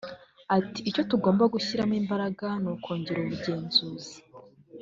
Ati” Icyo tugomba gushyiramo imbaraga ni ukongera ubugenzuzi